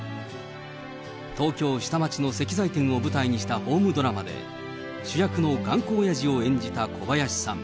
東京・下町の石材店を舞台にしたホームドラマで、主役の頑固おやじを演じた小林さん。